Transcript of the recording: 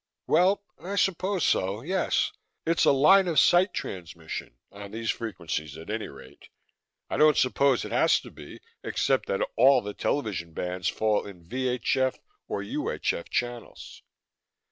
"Well I suppose so, yes. It's a line of sight transmission, on these frequencies at any rate. I don't suppose it has to be, except that all the television bands fall in VHF or UHF channels."